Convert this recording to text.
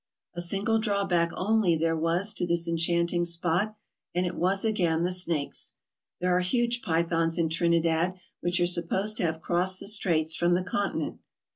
A single drawback only there was to this enchanting spot, and it was again the snakes. There are huge pythons in Trinidad which are supposed to have crossed the straits from the continent.